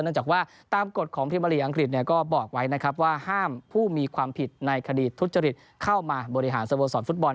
เนื่องจากว่าตามกฎของพิมพ์อ๋อนกฤษก็บอกว่าห้ามผู้มีความผิดในคดีทุจจฤษ์เข้ามาบริหารสมบัติศาสตร์ฟุตบอล